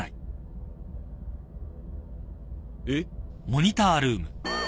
えっ？